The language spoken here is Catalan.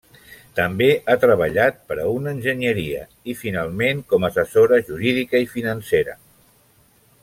També ha treballat per a una enginyeria i finalment com a assessora jurídica i financera.